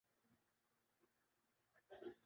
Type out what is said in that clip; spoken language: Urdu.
اور پھر ممکن ہے کہ پاکستان بھی ہو